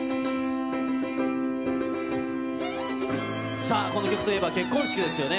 さあ、この曲といえば結婚式ですよね。